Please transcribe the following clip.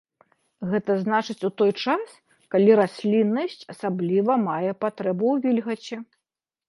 Гэта значыць у той час, калі расліннасць асабліва мае патрэбу ў вільгаці.